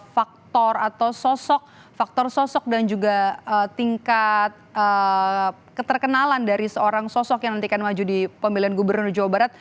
faktor atau sosok faktor sosok dan juga tingkat keterkenalan dari seorang sosok yang nantikan maju di pemilihan gubernur jawa barat